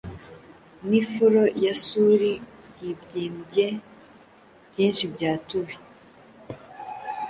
N'ifuro ya suli yibyimbye Byinshi Byatuwe,